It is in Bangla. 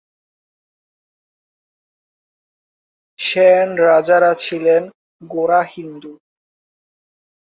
সেন রাজারা ছিলেন গোঁড়া হিন্দু।